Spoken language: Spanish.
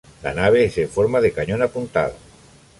La nave es en forma de cañón apuntado.